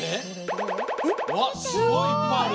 わっすごいいっぱいある！